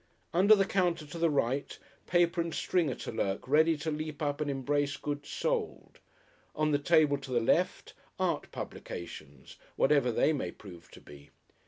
Under the counter to the right, paper and string are to lurk ready to leap up and embrace goods sold; on the table to the left, art publications, whatever they may prove to be!